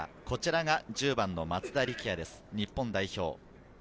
こちらが１０番の松田力也です、日本代表。